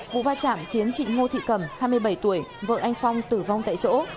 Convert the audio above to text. vụ va chạm khiến chị ngô thị cẩm hai mươi bảy tuổi vợ anh phong tử vong tại chỗ